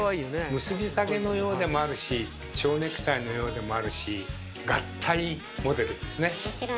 結び下げのようでもあるし蝶ネクタイのようでもあるし合体モデルですね。